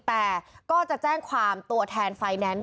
แต่ก็จะแจ้งความตัวแทนไฟแนนซ์